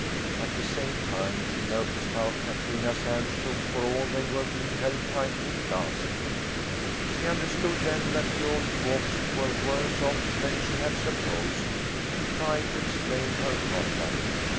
At the same time she noticed how Katrina's hands shook for all they were being held tightly clasped. She understood then that the old folks were worse off than she had supposed, and tried to explain her conduct.